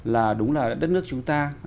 là đúng là đất nước chúng ta